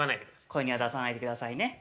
声には出さないでくださいね。